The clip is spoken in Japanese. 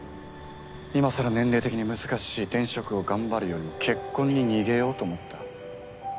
今更年齢的に難しい転職を頑張るよりも結婚に逃げようと思った。